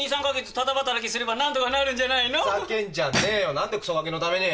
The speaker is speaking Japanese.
何でクソガキのために。